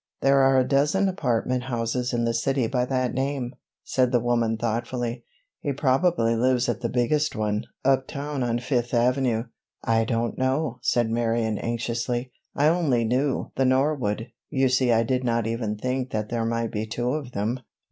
"There are a dozen apartment houses in the city by that name," said the woman thoughtfully. "He probably lives at the biggest one, uptown on Fifth avenue." "I don't know," said Marion anxiously. "I only knew 'The Norwood.' You see I did not even think that there might be two of them."